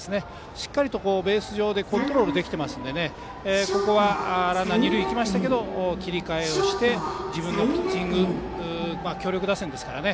しっかりベース上でコントロールできているのでランナーが二塁に行きましたが切り替えをして自分のピッチング強力打線ですからね。